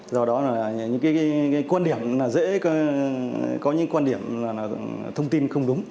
do đó là những cái quan điểm dễ có những quan điểm thông tin không đúng